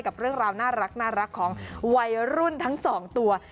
กับเรื่องราวน่ารักของวัยรุ่นทั้งสองตัว